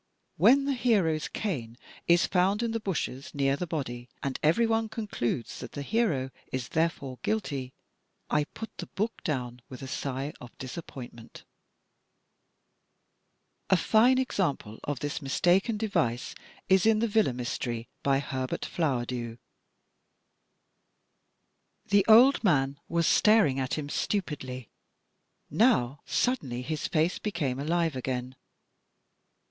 When the hero's cane is found in the bushes near the body, and everyone concludes that the hero is therefore guilty, I put the book down with a sigh of dis appointment." A fine example of this mistaken device is in "The Villa Mystery," by Herbert Flowerdew: The old man was staring at him stupidly. Now suddenly his face became alive again.